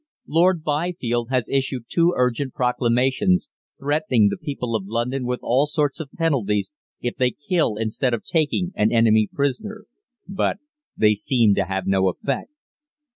"Lord Byfield has issued two urgent proclamations, threatening the people of London with all sorts of penalties if they kill instead of taking an enemy prisoner, but they seem to have no effect.